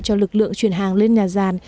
cho lực lượng chuyển hàng lên nhà giàn